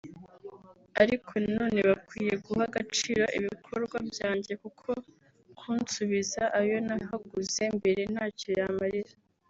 Ariko nanone bakwiye guha agaciro ibikorwa byanjye kuko kunsubiza ayo nahaguze mbere ntacyo yamarira